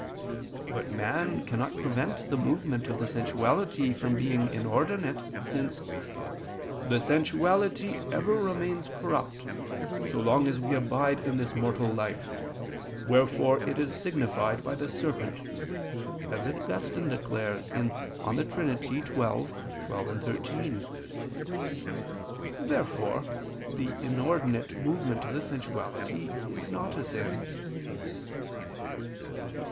But man cannot prevent the movement of the sensuality from being inordinate, since "the sensuality ever remains corrupt, so long as we abide in this mortal life; wherefore it is signified by the serpent," as Augustine declares (De Trin. xii, 12, 13). Therefore the inordinate movement of the sensuality is not a sin.